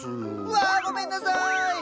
わごめんなさい！